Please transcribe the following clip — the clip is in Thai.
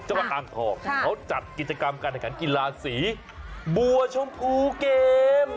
เจ้าวัดอังคองเขาจัดกิจกรรมการแขนกีฬาสีบัวชมพูเกม